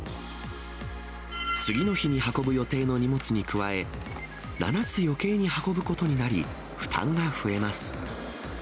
次の日に運ぶ予定の荷物に加え、７つよけいに運ぶことになり、負担が増えます。